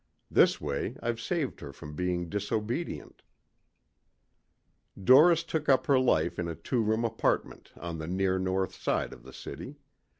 This way I've saved her from being disobedient." Doris took up her life in a two room apartment on the near north side of the city.